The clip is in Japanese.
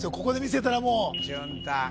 ここで見せたらもう淳太